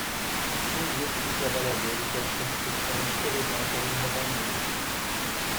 Um grupo de trabalhadores das construções que levantam uma banheira.